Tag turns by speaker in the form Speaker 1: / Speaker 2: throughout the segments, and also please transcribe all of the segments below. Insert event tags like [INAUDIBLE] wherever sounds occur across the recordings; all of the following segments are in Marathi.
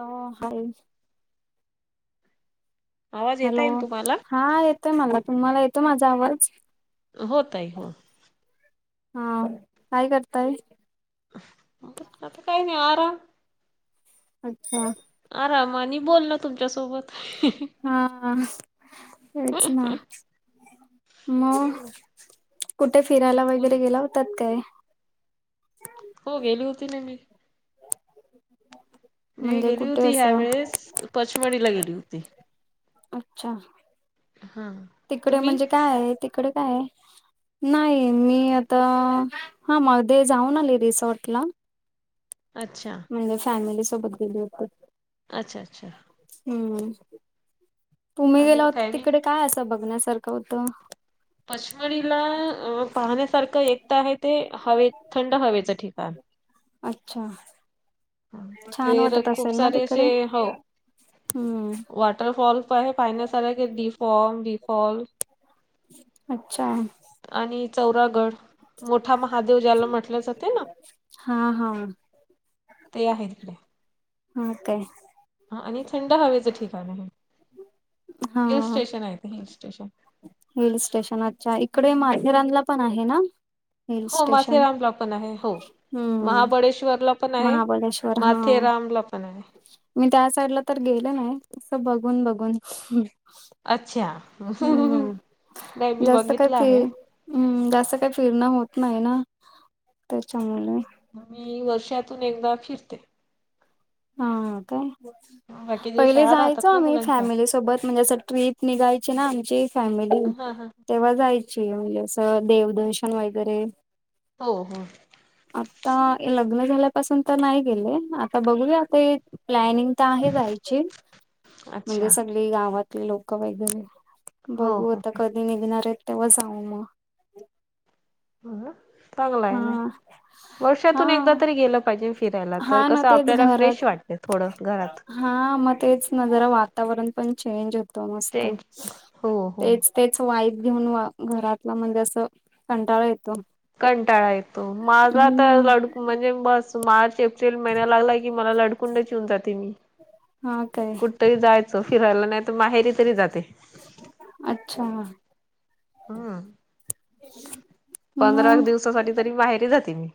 Speaker 1: हो हा
Speaker 2: आवाज येता
Speaker 1: हॅलो
Speaker 2: येईल तुम्हाला
Speaker 1: हा येतोय मला तुम्हाला येतोय माझा आवाज
Speaker 2: होत आहे हो
Speaker 1: हा काय करताय
Speaker 2: मता काही नाही आराम
Speaker 1: अच्छा.
Speaker 2: आरामानी बोलला तुमच्यासोबत
Speaker 1: हा तेच ना. मग कुठे फिरायला वगैरे गेला होतात काय?
Speaker 2: हो गेली होती ना मी मी
Speaker 1: म्हणजे
Speaker 2: गेली
Speaker 1: कुठे
Speaker 2: होती ह्या
Speaker 1: असं
Speaker 2: वेळेस पंचमडीला गेली होती
Speaker 1: अच्छा
Speaker 2: हा.
Speaker 1: तिकडे
Speaker 2: तुम्ही?
Speaker 1: म्हणजे काय आहे तिकडे काय आहे नाही मी आता हा मध्ये जाऊन आले रिसॉर्टला
Speaker 2: अच्छा.
Speaker 1: म्हणजे फॅमिली सोबत गेले होते.
Speaker 2: अच्छा अच्छा.
Speaker 1: हम्म तुम्ही
Speaker 2: आम्ही
Speaker 1: गेला होता
Speaker 2: फॅमिली
Speaker 1: तिकडे काय असा बघण्यासारखं होतं.
Speaker 2: पचमडीला पाहण्यासारखं एक तर आहे ते हवे थंड हवेचं ठिकाण
Speaker 1: अच्छा. छान
Speaker 2: तिथे
Speaker 1: वाटत
Speaker 2: खूप
Speaker 1: असेल ना
Speaker 2: सारे असे
Speaker 1: तिकडे
Speaker 2: हो
Speaker 1: हम्म
Speaker 2: वॉटरफॉल उपाय हे पाहिण्या सार क डीफॉम फॉल्ट
Speaker 1: अच्छा.
Speaker 2: आणि चौरागड मोठा महादेव ज्याला म्हटलं जाते ना.
Speaker 1: हा हा.
Speaker 2: ते आहे तिकडे
Speaker 1: ओके.
Speaker 2: हा आणि थंड हवेचं ठिकाण आहे
Speaker 1: हा
Speaker 2: हिल स्टेशन आहे हिल स्टेशन
Speaker 1: हिल स्टेशन अच्छा इकडे माथेरानला पण आहे ना. हिल
Speaker 2: हो
Speaker 1: स्टेशन
Speaker 2: माथेरानला पण आहे हो
Speaker 1: हम्म
Speaker 2: महाबळेश्वरला पण आहे
Speaker 1: महाबळेश्वर हा.
Speaker 2: माथेरानला पण आहे
Speaker 1: मी त्या साईडला तर गेल नाही अस बघून बघून
Speaker 2: अच्छा
Speaker 1: हम्म
Speaker 2: नाही मी
Speaker 1: जास्त काय
Speaker 2: बघितलं
Speaker 1: फि
Speaker 2: आहे.
Speaker 1: हम्म जां काही फिरण होत नाही ना त्याच्यामुळे
Speaker 2: मग मी वर्षातून एकदा फिरते.
Speaker 1: हा हो काय?
Speaker 2: बाकी दिवस
Speaker 1: पहिले
Speaker 2: शाळा
Speaker 1: जायचो
Speaker 2: राहतात ना
Speaker 1: आम्ही
Speaker 2: मुलांच्या
Speaker 1: फॅमिली सोबत म्हणजे असं ट्र्रीप निघायची ना आमची फॅमिली
Speaker 2: हा हा
Speaker 1: तेव्हा जायची म्हणजे असं देवदर्शन वगैरे
Speaker 2: हो हो.
Speaker 1: आता लग्न झाल्यापासून तर नाही गेले आता बघूया आता प्लॅनिंग तर आहे जायची
Speaker 2: अच्छा
Speaker 1: म्हणजे सग आपली गावातले लोक वगैरे
Speaker 2: हो
Speaker 1: बघू
Speaker 2: हो
Speaker 1: आता कधी निघणार आहेत तेव्हा जाव मग
Speaker 2: हो चांगला आहे ना
Speaker 1: हा हा
Speaker 2: वर्षातून एकदा तरी गेलं पाहिजे फिरायला तर
Speaker 1: हा ना
Speaker 2: कसं
Speaker 1: तेच
Speaker 2: आपल्याला
Speaker 1: घरात
Speaker 2: फ्रेश वाटते थोडं घरात
Speaker 1: हा मग तेच ना जरा वातावरण पण चेंज होतं मस्त
Speaker 2: चेंज हो हो
Speaker 1: तेच तेच वाईट घेऊन घरातला म्हणजे असं कंटाळा येतो.
Speaker 2: कंटाळा येतो माझा तर
Speaker 1: हम्म
Speaker 2: लड म्हणजे बस मार्च महिना लागला की मला लडकुंडचीि होऊन जाते मी
Speaker 1: हा काय
Speaker 2: कुठ! तरी जायचं फिरायला नाही तर माहेरी तरी जाते.
Speaker 1: अच्छा.
Speaker 2: हम् पंधरा
Speaker 1: मग
Speaker 2: दिवसासाठी तरी बाहेर जाते मी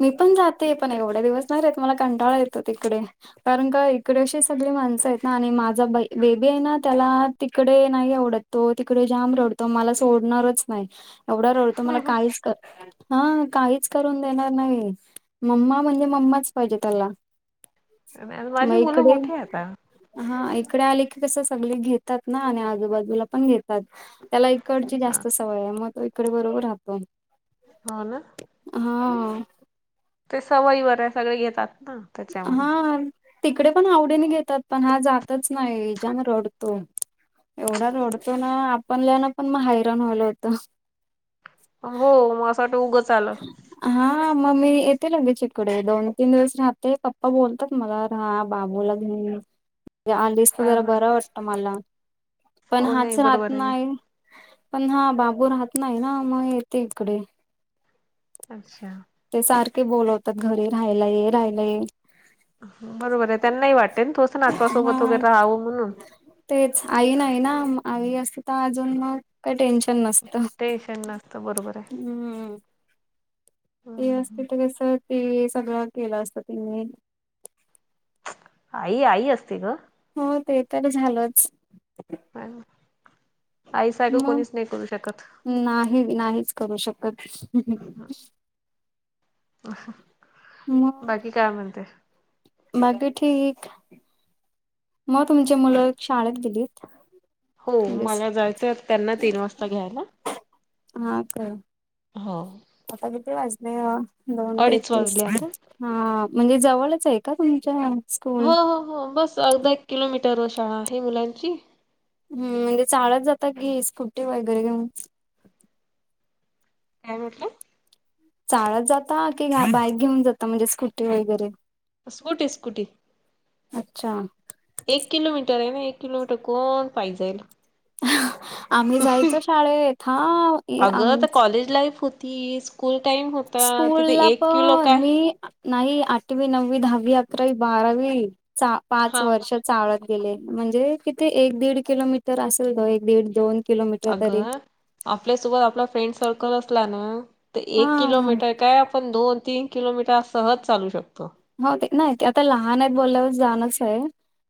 Speaker 1: मी पण जाते पण एवढे दिवस नाही राहत मला कंटाळा येतो तिकडे कारण का इकडेशी सगळी माणसं आहेत ना आणि माझा बेबी आहे ना त्याला तिकडे नाही आवडत तो तिकडे जाम रडतो मला सोडणारच नाही एवढा रड तमला काहीच कर हा काहीच करून देणार नाही मम्मा म्हणजे मम्माच पाहिजे त्याला
Speaker 2: आणि
Speaker 1: त मग
Speaker 2: माझी मुलं
Speaker 1: इकडे
Speaker 2: मोठी आहेत आता
Speaker 1: हा इकडे आले की कस सगळे घेतात ना आणि आजूबाजूला पण घेतात त्याला कडची
Speaker 2: हा
Speaker 1: जास्त सवय आहे मग तो इकडे बरोबर राहतो
Speaker 2: हो ना
Speaker 1: हा
Speaker 2: ते सवय वगैरे सगळे घेतात ना त्याच्यामुळे
Speaker 1: हा तिकडे पण आवडीने घेतात पण हा जातच नाही जन रडतो. एवढा रोडतो ना आपणल्या ना पण मग हैराण व्हायला होतं.
Speaker 2: हो म असं वाटत उगचं
Speaker 1: हा मग मी येते लगेच इकडे दोन तीन दिवस राहते पप्पा बोलतात मला हा बाबूला घेऊन आलीस तर
Speaker 2: हा
Speaker 1: जरा
Speaker 2: हा
Speaker 1: बरं वाटत मला पण
Speaker 2: हो नाही
Speaker 1: हाच राहत
Speaker 2: बरोबर आहे ना
Speaker 1: नाही. पण हा बाबू राहत नाही ना मग येते इकडे
Speaker 2: अच्छा.
Speaker 1: ते सारखे बोलवतात घरी राहायला ये राहायला ये.
Speaker 2: बरोबर आहे त्यांनाही वाटते ना तु अ
Speaker 1: हा तेच आई नाही ना म आई अस ता अजून मग काय टेन्शन नसत
Speaker 2: टेन्शन नसतं बरोबर आहे.
Speaker 1: हम्म. ति असती
Speaker 2: हम्म
Speaker 1: त कसं ती सगळं केलं असत तिनी.
Speaker 2: आई आई असते ग.
Speaker 1: हो ते तर झालंच.
Speaker 2: नाय हो आई सारखं
Speaker 1: मग
Speaker 2: कोणीच नाय करू शकत.
Speaker 1: नाही नाहीच करू शकत.
Speaker 2: [UNINTELLIGIBLE]
Speaker 1: म
Speaker 2: बाकी काय म्हणते.
Speaker 1: बाकी ठीक म तुमची मुलं शाळेत गेलीत.
Speaker 2: हो
Speaker 1: म्हणजे
Speaker 2: मला जायचं आता त्यांना तीन वाजता घ्यायला.
Speaker 1: हा काय
Speaker 2: हो.
Speaker 1: आता किती वाजले दोन
Speaker 2: अडीच
Speaker 1: तेतीस
Speaker 2: वाजले आता
Speaker 1: हा म्हणजे जवळच आहे का तुमच्या
Speaker 2: हो
Speaker 1: स्कूल
Speaker 2: हो हो बस अर्धा एक किलोमीटर वर शाळा आहे मुलांची.
Speaker 1: हम्म म्हणजे चाळत जातात की, स्कुटी वगैरे घेऊन.
Speaker 2: काय म्हटली.
Speaker 1: चाळत जाता की काय बाईक घेऊन जाता म्हणजे स्कूटी वगैरे
Speaker 2: स्कूटी स्कूटी.
Speaker 1: अच्छा.
Speaker 2: एक किलोमीटर आहे ना एक किलोमीटर कोण पाई जाईल.
Speaker 1: आम्ही जायचो शाळेत हा ई
Speaker 2: अगं
Speaker 1: आम
Speaker 2: तर
Speaker 1: चं
Speaker 2: कॉलेज लाईफ होती स्कूल टाइम हो
Speaker 1: स्कूल ला पण मी नाही आठवी नववी दहावी अकरावी बारावी चा पाच
Speaker 2: हा
Speaker 1: वर्षत चाळत गेले म्हणजे किती एक दीड किलोमीटर असेल ग एक दीड दोन किलोमीटर तरी
Speaker 2: अगं आपल्यासोबत आपला फ्रेंड सर्कल असला ना तर
Speaker 1: हा
Speaker 2: एक किलोमीटर काय आपण दोन तीन किलोमीटर सहज चालू शकतो.
Speaker 1: बहुतेक ते क नाय ते आता लहान आहेत बोलल्यावर जाणच आहे.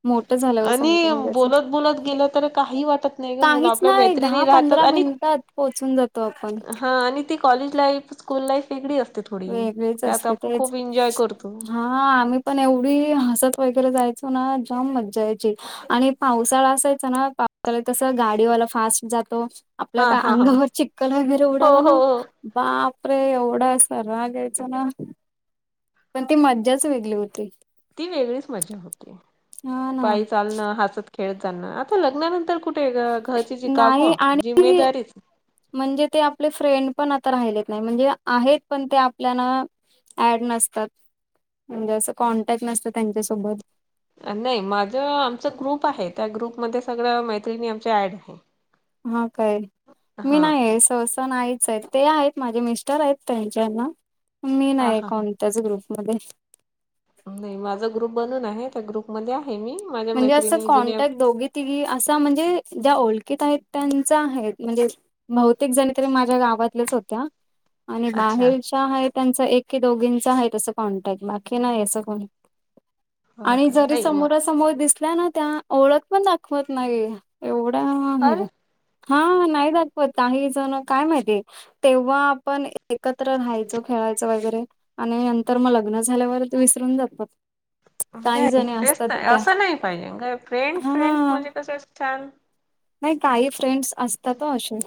Speaker 1: मोठ झाल्यावर
Speaker 2: आणि
Speaker 1: सांगते म्हणजे अस
Speaker 2: बोलत बोलत गेलं तर काही वाटत नाही ग मुलं
Speaker 1: काहीच
Speaker 2: आपल्या
Speaker 1: नाही
Speaker 2: मैत्रिणी
Speaker 1: दहा
Speaker 2: राहतात
Speaker 1: पंधरा
Speaker 2: आणि
Speaker 1: मिनिटात पोहोचून जातो आपण.
Speaker 2: हा आणि ती कॉलेज लाईफ स्कूल लाईफ वेगळी असते थोडी
Speaker 1: वेगळीच
Speaker 2: त्यात
Speaker 1: असते
Speaker 2: आपण
Speaker 1: तेच.
Speaker 2: खूप एन्जॉय करतो.
Speaker 1: हा आम्ही पण एवढी हसत वगैरे जायचो ना जाम मजा यायची. आणि पावसाळा असायचा ना पावसाळात कस गाडीवाला फास्ट जातो. आपल्या
Speaker 2: हा
Speaker 1: का
Speaker 2: हा हा
Speaker 1: अंगावर चिक्कल वगैरे
Speaker 2: हो
Speaker 1: उडाला
Speaker 2: हो
Speaker 1: ना
Speaker 2: हो
Speaker 1: बाप रे एवढं अस राग यायच ना. पण ती मज्जाच वेगली होती.
Speaker 2: ती वेगळीच मजा होती
Speaker 1: हा ना
Speaker 2: पायी चालणं हसत खेळत जाणं आता लग्नानंतर कुट ठे घरची जी
Speaker 1: नाही
Speaker 2: कामं
Speaker 1: आणि
Speaker 2: जिम्मेदारीच
Speaker 1: म्हणजे ते आपले फ्रेंड पण आता राहिले नाय म्हणजे आहेत पण ते आपल्याना ऍड नसतात म्हणजे असं कॉन्टॅक्ट नसत त्यांच्यासोबत.
Speaker 2: नाही माझं आमच ग्रुप आहे त्या ग्रुपमध्ये सगळं मैत्रिणी आमच्या ऍड आहे.
Speaker 1: हा काय मी
Speaker 2: हा
Speaker 1: नाही आहे स स नाहीच आहेत ते आहेत माझे मिस्टर आहेत त्यांच्याना मी
Speaker 2: हा
Speaker 1: नाही
Speaker 2: हा
Speaker 1: कोण -त्याच ग्रुपमध्ये
Speaker 2: नाही माझा ग्रुप बनून आहे त्या ग्रुप मध्ये आहे मी माझ्या
Speaker 1: म्हणजे असं
Speaker 2: मैत्रिणी जुन्या
Speaker 1: कॉन्टॅक्ट दोघी तीघी असं म्हणजे ज्या ओळखित आहेत त्यांचा आहेत म्हणजे - बहूतेक जणी तरी माझ्या गावातल्याच होत्या आणि
Speaker 2: अच्छा
Speaker 1: बाहेर - त्या आहे त्यांचा एक की दोघींचा आहे तसं कॉन्टॅक्ट बाकी नाही असं कोणी -
Speaker 2: हो
Speaker 1: आणि
Speaker 2: का
Speaker 1: जरी
Speaker 2: नाही मग
Speaker 1: समोरासमोर दिसल्या ना त्या ओळख पण दाखवत नाही - एवढा हा हे
Speaker 2: अरे
Speaker 1: हा नाही दाखवत काही जण काय माहिती तेव्हा आपण एकत्र राहायचो खेळायच वगैरे आणि नंतर मग लग्न झाल्यावरती विसरून जातात काही जणी असतात त्या
Speaker 2: त नाही पाहिजे का फ्रेंड फ्रेंडस
Speaker 1: हा
Speaker 2: म्हणजे कस छान
Speaker 1: नाही काही फ्रेंड्स असतात ओ अशे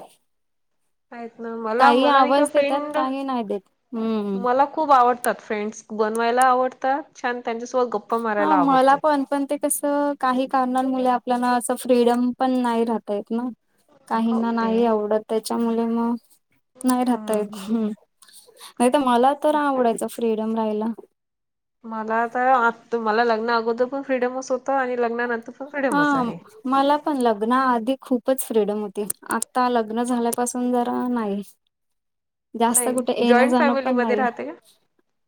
Speaker 2: आहेत ना मला मला नाही का
Speaker 1: आवाज देतात
Speaker 2: फ्रेंड
Speaker 1: काही नाही देत हम्म
Speaker 2: मला खूप आवडतात फ्रेंड्स बनवायला आवडतात छान त्यांच्यासोबत गप्पा मारायला
Speaker 1: हा मला
Speaker 2: आवडते
Speaker 1: पण पण ते कस काही कारणांमुळे आपल्याला असं फ्रीडम पण नाही राहतायेत ना
Speaker 2: हो
Speaker 1: काहींना
Speaker 2: ते
Speaker 1: नाही आवडत त्याच्यामुळे मग नाही राहता
Speaker 2: हम्म
Speaker 1: येत् नाही तर मला तर आवडायचं फ्रीडम राहायला
Speaker 2: मला आ तर आ मला लग्न अगोदर पण फ्रीडमच होतं आणि लग्नानंतर पण
Speaker 1: हा
Speaker 2: फ्रीडमच आहे.
Speaker 1: मला पण लग्ना आधी खूपच फ्रीडम होती आता लग्न झाल्यापासून जरा नाही
Speaker 2: [INAUDIBLE]
Speaker 1: जास्त कुठे येणं
Speaker 2: जॉईंट
Speaker 1: जाणं पण
Speaker 2: फॅमिलीमध्ये
Speaker 1: नाही
Speaker 2: राहते का?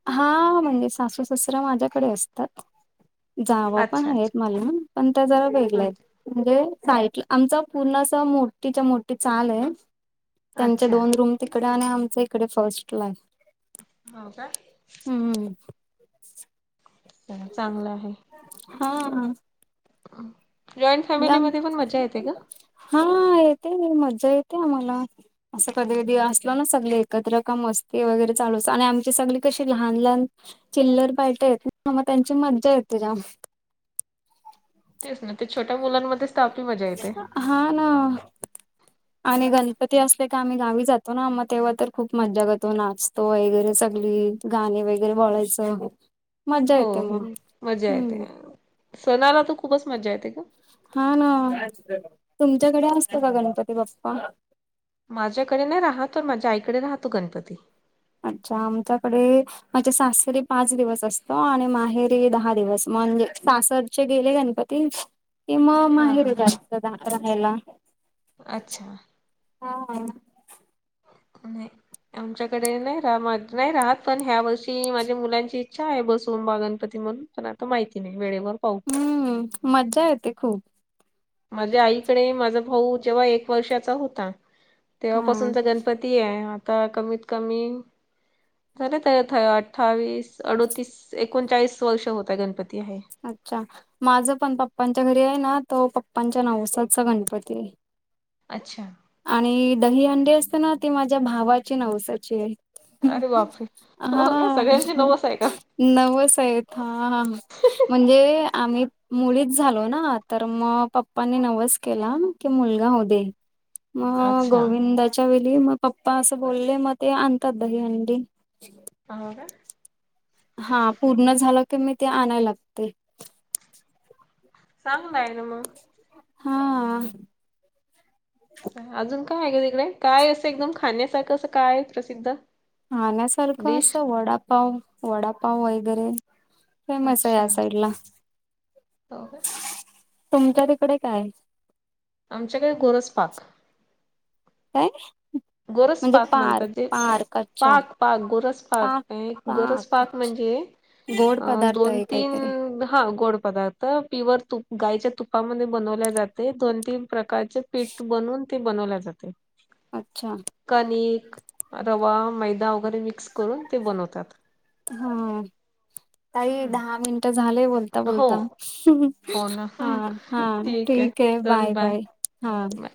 Speaker 1: हा म्हणजे सासू ससरा माझ्याकडे असतात जावा पण
Speaker 2: अच्छा
Speaker 1: आहेत
Speaker 2: अच्छा
Speaker 1: मला पण त्या जरा वेगळ्या
Speaker 2: अच्छा
Speaker 1: आहेत म्हणजे साईटला आमचा पूर्ण अस मोठीच्या मोठी चाल आहे त्यांच्या
Speaker 2: अच्छा.
Speaker 1: दोन रूम तिकडे आणि आमच इकडे फर्स्ट्लाय
Speaker 2: हो काय
Speaker 1: हम्म
Speaker 2: ह चांगलं आहे
Speaker 1: हा
Speaker 2: जॉईंट फॅमिलीमध्ये पण मजा येते का
Speaker 1: हा येते मज्जा येते आम्हाला असं कधी कधी असल ना सगळे एकत्र का मस्ती वगैरे चालूच आणि आमची सगळी कशी लहान लहान चिल्लर पार्ट्यायेत ना मग त्यांची मज्जा येते जाम
Speaker 2: तेच ना ते छोट्या मुलांमध्येच तर आपली मजा येते
Speaker 1: हा ना आणि गण - पती असले का आम्ही गावी जातो ना मग तेव्हा तर खूप मजा करतो नाचतो वगैरे सगली गाणी वगैरे बोलायचं मज्जा
Speaker 2: हो
Speaker 1: येते
Speaker 2: हो
Speaker 1: मग.
Speaker 2: मजा येते
Speaker 1: हम्म
Speaker 2: सणाला तर खूपच मजा येते ग
Speaker 1: हा ना तुमच्याकडे असतो का गणपती बाप्पा
Speaker 2: माझ्याकडे नाही राहात तर माझ्या आईकडे राहतो गणपती
Speaker 1: अच्छा आमच्याकडे माझ्या सासरी पाच दिवस असतो आणि माहेरी दहा दिवस म्हणजे सासरचे गेले गणपती को मग
Speaker 2: हा
Speaker 1: माहेरी
Speaker 2: हा
Speaker 1: जास्त राहायला
Speaker 2: अच्छा
Speaker 1: हा
Speaker 2: आणि आमच्याकडे नाही राहा नाही राहात पण ह्या वर्षी माझ्या मुलांची इच्छा आहे बसवून बा गणपती म्हणून प आता माहिती नाही वेळेवर पाह
Speaker 1: हम्म मज्जा येते खूप
Speaker 2: माझ्या आईकडे माझा भाऊ जेव्हा एक वर्षाचा होता
Speaker 1: हा
Speaker 2: तेव्हापासूनचा गणपती ती आहे आता कमीत कमी खर त अठ्ठावीस अडोतीस एकोणचाळीस वर्ष होतय गणपती आहे
Speaker 1: अच्छा माझं पण पप्पांच्या घरी आहे ना तो पप्पांच्या नाव सचा गणपती आहे
Speaker 2: अच्छा
Speaker 1: आणि दहीहंडी असते ना ती माझ्या भावाची नवसाची आहे
Speaker 2: अरे बापरे हो
Speaker 1: हा
Speaker 2: का सगळ्यांची नवस आहे का?
Speaker 1: नव सा आहेेत हा म्हणजे आम्ही मुलीच झालो ना तर मग पप्पांनी नवच केलं क मुलगा हो दे मग
Speaker 2: अच्छा
Speaker 1: गोविंदाच्या वेली मग पप्पा असं बोलले मग ते आणतात दही अंडी
Speaker 2: हो का
Speaker 1: हा पूर्ण झालं की मी ते आणाय लागते
Speaker 2: चांगल ना आहे ना मग
Speaker 1: हा
Speaker 2: अजून काय आहे का तिकडे काय असं एकदम खाण्यासारखं असं काय आहे प्रसिद्ध
Speaker 1: खाण्यासारखं
Speaker 2: डिश?
Speaker 1: असं वडापाव वडापाव वगैरे फेमस आहे
Speaker 2: अच्छा
Speaker 1: या साईड ला
Speaker 2: हो का
Speaker 1: तुमच्या तिकडे काय
Speaker 2: आमच्याकडे गोरचप
Speaker 1: काय
Speaker 2: गोरस
Speaker 1: म्हणजे
Speaker 2: पाक
Speaker 1: पार
Speaker 2: म्हणतात ते
Speaker 1: पार कच्चा
Speaker 2: पाक पाक गोरस पाक गोरस पाक म्हणजे
Speaker 1: गोड
Speaker 2: अ
Speaker 1: पदार्थ
Speaker 2: दोन
Speaker 1: आहे
Speaker 2: तीन
Speaker 1: काहीतरी
Speaker 2: हा गोड पदार्थ प्युर तु गायच्या तुपामध्ये बनवल्या जाते दोन तीन प्रकारचे पीठ बनून ते बनवल्या जाते
Speaker 1: अच्छा
Speaker 2: कणिक रवा मैदा वगैरे मिक्स करून ते बनवतात
Speaker 1: हा काही दहा मिनट झालेय बोलता
Speaker 2: हो
Speaker 1: बोलता
Speaker 2: हो ना
Speaker 1: हा हा ठीक आहे बाय बाय हा
Speaker 2: बाय